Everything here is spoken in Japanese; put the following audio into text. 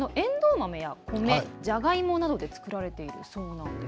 豆や米、じゃがいもなどで作られているそうです。